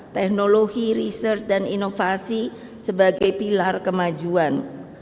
teknologi riset dan inovasi sebagai pilar kemajuan